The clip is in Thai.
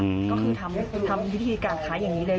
ก็คือทำพิธีการค้าอย่างนี้เลย